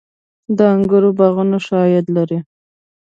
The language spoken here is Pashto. د انګورو باغونه ښه عاید لري؟